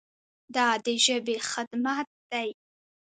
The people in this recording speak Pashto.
دا د ژبې خدمت دی.